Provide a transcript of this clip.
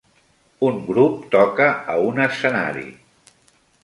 Un grup toca a un escenari.